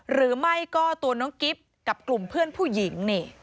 หรือไม่ก็ตัวน้องกิ๊บกับกลุ่มเพื่อนผู้หญิงนี่